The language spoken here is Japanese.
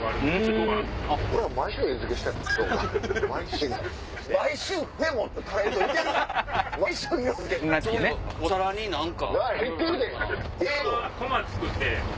お皿に何か。